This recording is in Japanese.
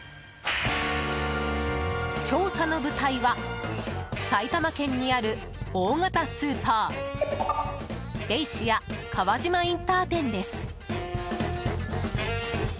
調査の舞台は埼玉県にある大型スーパーベイシア川島インター店です。